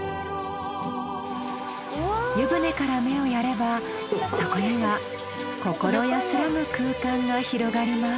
湯船から目をやればそこには心安らぐ空間が広がります。